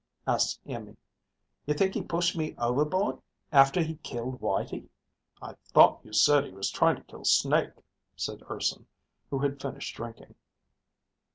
asked Iimmi. "You think he pushed me overboard after he killed Whitey?" "I thought you said he was trying to kill Snake," said Urson, who had finished drinking.